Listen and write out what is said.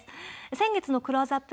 先月の「クローズアップ